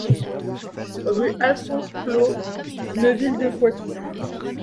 Rue Alphonse Plault, Neuville-de-Poitou